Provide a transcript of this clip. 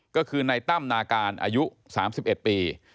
ก็คือในตั้มนาการอายุ๓๑ปี